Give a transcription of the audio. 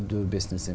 như thế này